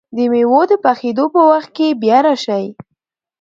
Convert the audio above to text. د مېوو د پخېدو په وخت کې بیا راشئ!